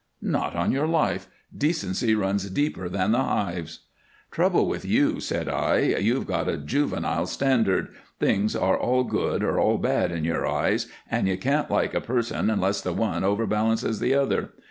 "Not on your life. Decency runs deeper than the hives." "Trouble with you," said I, "you've got a juvenile standard things are all good or all bad in your eyes and you can't like a person unless the one overbalances the other.